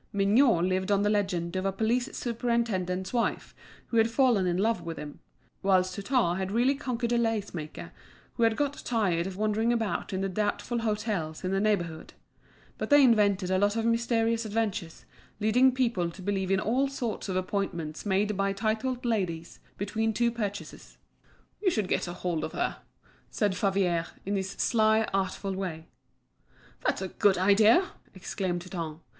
Mignot lived on the legend of a police superintendent's wife who had fallen in love with him, whilst Hutin had really conquered a lace maker who had got tired of wandering about in the doubtful hôtels in the neighbourhood; but they invented a lot of mysterious adventures, leading people to believe in all sorts of appointments made by titled ladies, between two purchases. "You should get hold of her," said Favier, in his sly, artful way. "That's a good idea!" exclaimed Hutin.